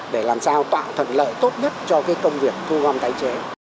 để làm sao tạo thuận lợi tốt nhất cho công việc thu gom tái chế